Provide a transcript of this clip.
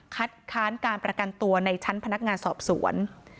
ค้านการประกันตัวในชั้นพนักงานสอบสวน